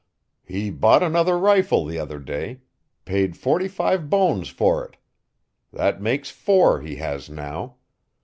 "He bought another rifle the other day paid forty five bones for it. That makes four he has now.